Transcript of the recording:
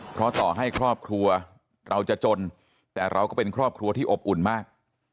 เพราะต่อให้ครอบครัวเราจะจนแต่เราก็เป็นครอบครัวที่อบอุ่นมาก